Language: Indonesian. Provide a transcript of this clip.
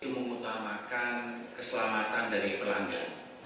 memutamakan keselamatan dari pelanggan